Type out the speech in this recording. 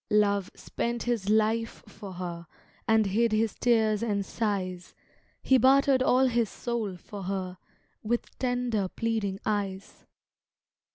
Love spent his life for her And hid his tears and sighs; He bartered all his soul for her, With tender pleading eyes.